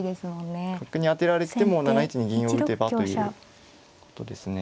角に当てられても７一に銀を打てばということですね。